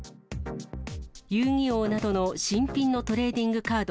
遊戯王などの新品のトレーディングカード